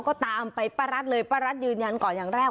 ก็ตามไปป้ารัฐเลยป้ารัฐยืนยันก่อนอย่างแรก